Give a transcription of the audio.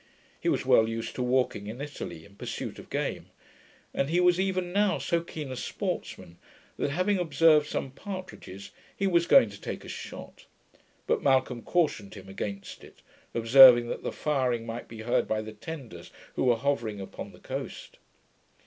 He was well used to walking in Italy, in pursuit of game; and he was even now so keen a sportsman, that, having observed some partridges, he was going to take a shot; but Malcolm cautioned him against it, observing that the firing might be heard by the tenders who were hovering upon the coast.